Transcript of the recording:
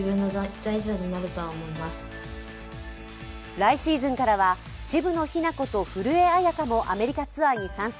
来シーズンからは、渋野日向子と古江彩佳もアメリカツアーに参戦。